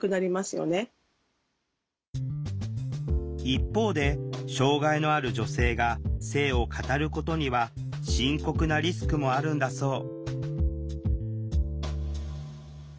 一方で障害のある女性が性を語ることには深刻なリスクもあるんだそう